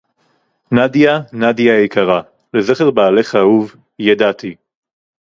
"נדיה - נדיה היקרה - לזכר בעלך האהוב: "ידעתי"